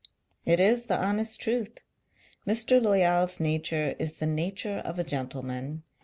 It is the honest truth. M. Loyal's nature is the nature of a gentleman.